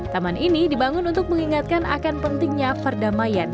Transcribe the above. taman ini dibangun untuk mengingatkan akan pentingnya perdamaian